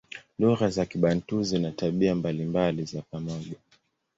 Lugha za Kibantu zina tabia mbalimbali za pamoja.